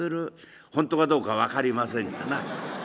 本当かどうか分かりませんがな。